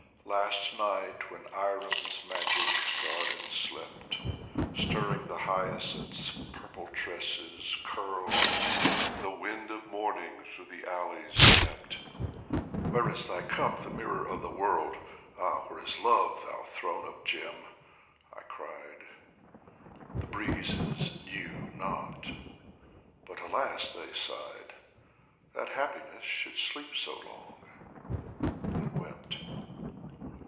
Last night when Irem's magic garden slept, Stirring the hyacinth's purple tresses curled, The wind of morning through the alleys stept. " Where is thy cup, the mirror of the world ? 68 DIVAN OF HAFIZ Ah, where is Love, thou Throne of Djem ?" I cried. The breezes knew not; but "Alas/' they sighed, '' That happiness should sleep so long !" and wept.